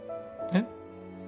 えっ？